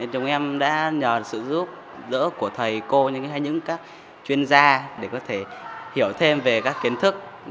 chúng em đã nhờ sự giúp đỡ của thầy cô hay những các chuyên gia để có thể hiểu thêm về các kiến thức